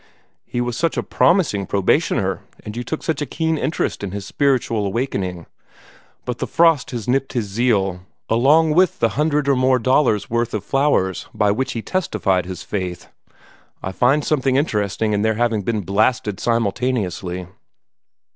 "He was such a promising probationer, and you took such a keen interest in his spiritual awakening. But the frost has nipped his zeal along with the hundred or more dollars' worth of flowers by which he testified his faith. I find something interesting in their having been blasted simultaneously."